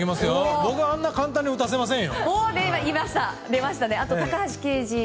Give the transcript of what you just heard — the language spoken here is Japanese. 僕はあんなに簡単に打たせませんよ。